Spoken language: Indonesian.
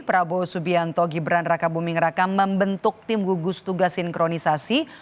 prabowo subianto gibran raka buming raka membentuk tim gugus tugas sinkronisasi